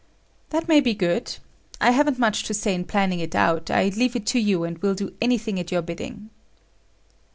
"That may be good. I haven't much to say in planning it out; I leave it to you and will do anything at your bidding."